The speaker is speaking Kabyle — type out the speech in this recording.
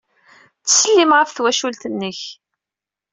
Ttsellim ɣef twacult-nnek.